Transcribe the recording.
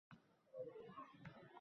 Suv ichaman.